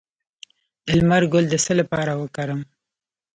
د لمر ګل د څه لپاره وکاروم؟